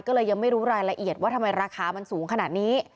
ก็เลยยังไม่รู้รายละเอียดว่าทำไมราคามันสูงขนาดนี้